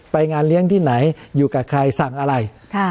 งานเลี้ยงที่ไหนอยู่กับใครสั่งอะไร